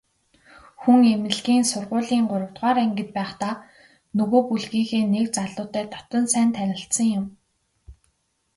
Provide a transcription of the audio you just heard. Хүн эмнэлгийн сургуулийн гуравдугаар ангид байхдаа нөгөө бүлгийнхээ нэг залуутай дотно сайн танилцсан юм.